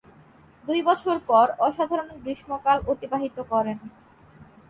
দুই বছর পর অসাধারণ গ্রীষ্মকাল অতিবাহিত করেন।